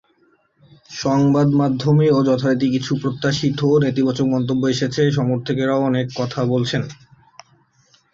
সংবাদমাধ্যমেও যথারীতি কিছু প্রত্যাশিত নেতিবাচক মন্তব্য এসেছে, সমর্থকেরাও অনেক কথা বলছেন।